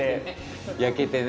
焼けてね。